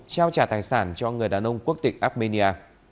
trao trả tài sản cho người đàn ông quốc tịch armenia